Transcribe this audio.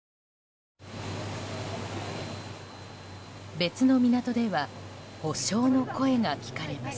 別の港では補償の声が聞かれます。